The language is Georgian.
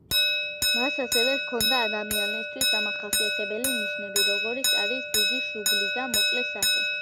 მას ასევე ჰქონდა ადამიანისთვის დამახასიათებელი ნიშნები, როგორიც არის დიდი შუბლი და მოკლე სახე.